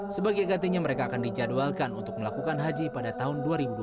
sebagai gantinya mereka akan dijadwalkan untuk melakukan haji pada tahun dua ribu dua puluh